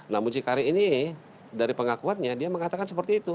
nah mucikari ini dari pengakuannya dia mengatakan seperti itu